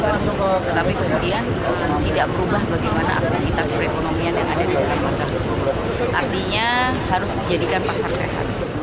tetapi kemudian tidak berubah bagaimana aktivitas perekonomian yang ada di dekat pasar artinya harus dijadikan pasar sehat